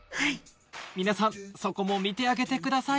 皆さんそこも見てあげてください